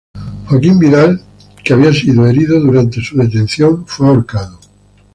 Joaquín Vidal, que había sido herido durante su detención, fue ahorcado.